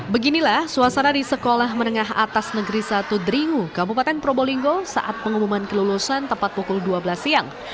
beginilah suasana di sekolah menengah atas negeri satu deringu kabupaten probolinggo saat pengumuman kelulusan tepat pukul dua belas siang